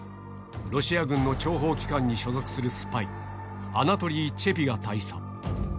ロシア軍の諜報機関に所属するスパイ、アナトリー・チェピガ大佐。